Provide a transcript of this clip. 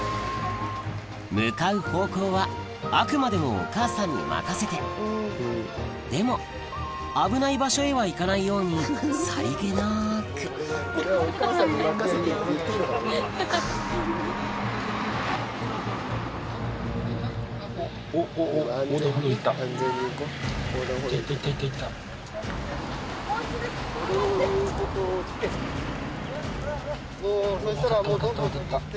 向かう方向はあくまでもお母さんに任せてでも危ない場所へは行かないようにさりげなく渡った渡った渡った。